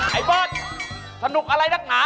ไอ้โบ๊ทสนุกอะไรดักหนา